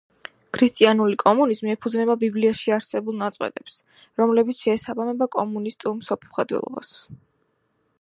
ქრისტიანული კომუნიზმი ეფუძნება ბიბლიაში არსებულ ნაწყვეტებს, რომლებიც შეესაბამება კომუნისტურ მსოფლმხედველობას.